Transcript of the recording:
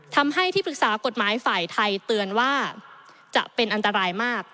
ทำให้ที่ปรึกษากฎหมายฝ่ายไทยเตือนว่าจะเป็นอันตรายมาก